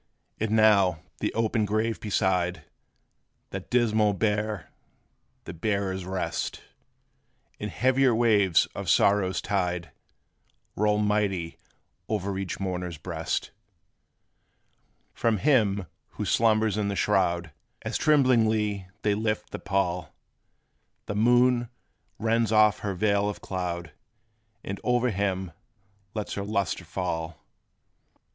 And now, the open grave beside, That dismal bier the bearers rest; And heavier waves of sorrow's tide Roll mighty o'er each mourner's breast. From him who slumbers in the shroud, As tremblingly they lift the pall, The moon rends off her veil of cloud, And o'er him lets her lustre fall.